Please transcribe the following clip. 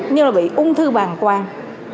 nhưng mà bị ung thư bàn quang